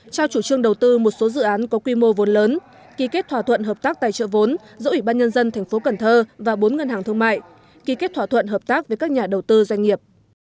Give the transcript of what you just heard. trao chủ trương đầu tư một số dự án có quy mô vốn lớn ký kết thỏa thuận hợp tác tài trợ vốn giữa ủy ban nhân dân thành phố cần thơ và bốn ngân hàng thương mại ký kết thỏa thuận hợp tác với các nhà đầu tư doanh nghiệp